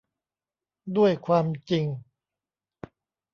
ด้วยความจริง